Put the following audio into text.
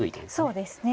そうですね。